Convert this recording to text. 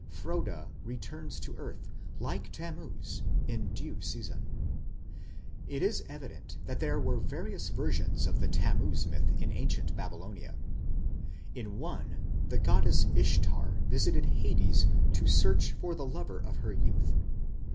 Frode returns to earth, like Tammuz, in due season. It is evident that there were various versions of the Tammuz myth in Ancient Babylonia. In one the goddess Ishtar visited Hades to search for the lover of her youth.